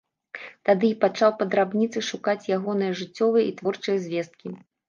Тады і пачаў па драбніцы шукаць ягоныя жыццёвыя і творчыя звесткі.